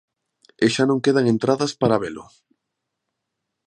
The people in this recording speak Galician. E xa non quedan entradas para velo.